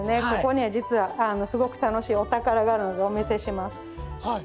ここね実はすごく楽しいお宝があるのでお見せします。